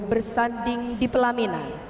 bersanding di pelaminan